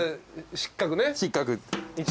失格。